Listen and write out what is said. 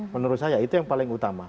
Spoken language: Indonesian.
menurut saya itu yang paling utama